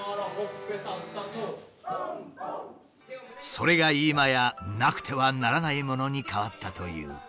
それが今やなくてはならないものに変わったという。